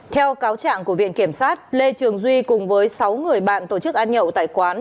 theo cáo trạng của viện kiểm sát lê trường duy cùng với sáu người bạn tổ chức ăn nhậu tại quán